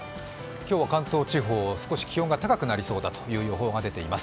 今日は関東地方、少し気温が高くなりそうだという予報が出ています。